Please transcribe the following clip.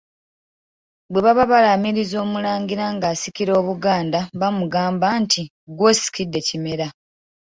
Bwe baba balaamiriza Omulangira ng'asikira Obuganda, bamugamba nti ggwe osikidde Kimera.